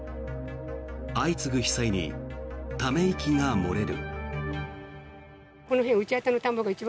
相次ぐ被災にため息が漏れる。